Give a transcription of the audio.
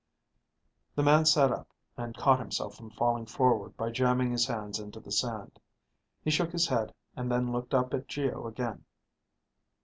The man sat up, and caught himself from falling forward by jamming his hands into the sand. He shook his head, and then looked up at Geo again.